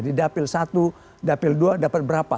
di dapil satu dapil dua dapat berapa